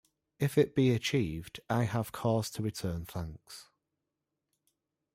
If it be achieved, I have cause to return thanks.